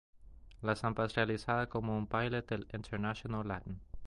La samba es realizada como un baile del "International latin".